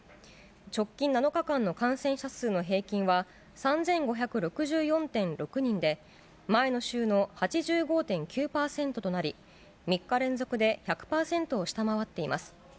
直近７日間の感染者数の平均は、３５６４．６人で、前の週の８５．９％となり、３日連続で１００％を下回っています。